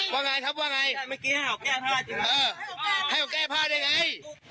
ว่าไงครับว่าไงใช่ให้ผมแก้ผ้าดี